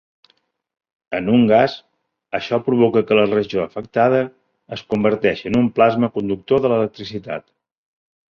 En un gas, això provoca que la regió afectada es converteixi en un plasma conductor de l'electricitat.